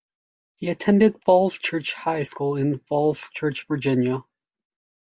He attended Falls Church High School in Falls Church, Virginia.